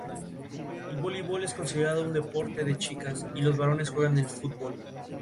La sede del condado se encuentra localizada en Newport.